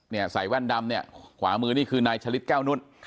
เนี่ยใส่แว่นดำเนี่ยของขวามือนี้คือนายฉลิตแก้วนุน